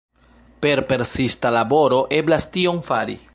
Per persista laboro eblas tion fari.